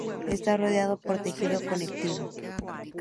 Está rodeado por tejido conectivo.